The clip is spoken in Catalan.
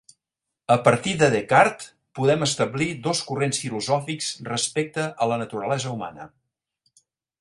A partir de Descartes podem establir dos corrents filosòfics respecte a la naturalesa humana.